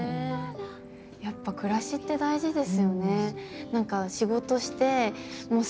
やっぱ暮らしって大事ですよね。